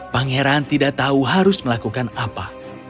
pangeran tidak tahu harus melakukan apa